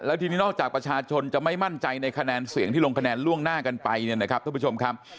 ทีนี้นอกจากประชาชนจะไม่มั่นใจในคะแนนเสียงที่ลงคะแนนล่วงหน้ากันไปเนี่ยนะครับท่านผู้ชมครับ